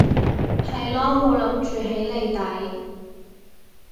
係囉冇諗住起你底